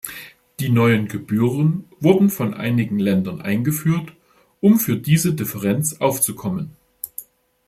Die neuen Gebühren wurden von einigen Ländern eingeführt, um für diese Differenz aufzukommen.